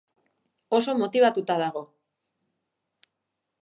Oso motibatuta dago.